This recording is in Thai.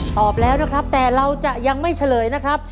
ตอบแล้วนะครับแต่เราจะยังไม่เฉลยนะครับ